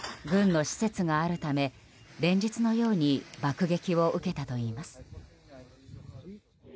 軍の施設があるため連日のように爆撃を受けたといいます。